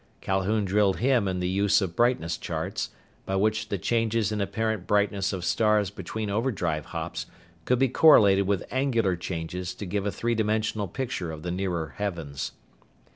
Calhoun drilled him in the use of brightness charts, by which the changes in apparent brightness of stars between overdrive hops could be correlated with angular changes to give a three dimensional picture of the nearer heavens.